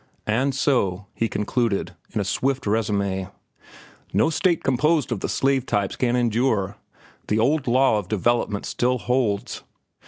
"And so," he concluded, in a swift résumé, "no state composed of the slave types can endure. The old law of development still holds.